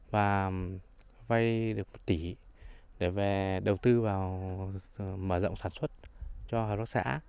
và vay được một tỷ để về đầu tư vào mở rộng sản xuất cho hợp tác xã